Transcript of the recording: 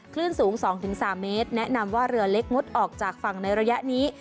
คลื่นสูง๒๓เมตรแนะนำว่าเรือเล็กงดออกจากฝั่งในระยะนี้